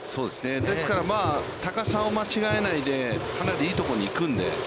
ですから、高さを間違えないで、かなりいいところに行くので。